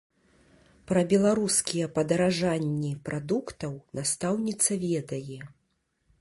Пра беларускія падаражанні прадуктаў настаўніца ведае.